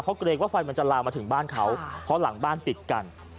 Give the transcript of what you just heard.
เพราะเกรงว่าไฟมันจะลามมาถึงบ้านเขาเพราะหลังบ้านติดกัน